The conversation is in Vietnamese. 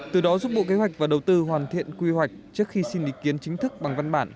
từ đó giúp bộ kế hoạch và đầu tư hoàn thiện quy hoạch trước khi xin ý kiến chính thức bằng văn bản